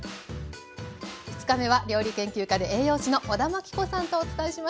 ２日目は料理研究家で栄養士の小田真規子さんとお伝えします。